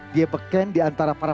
dia beken diantara para